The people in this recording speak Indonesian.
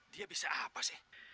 dia bisa apa sih